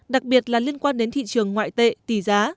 đặc biệt là liên quan đến thị trường ngoại tệ tỷ giá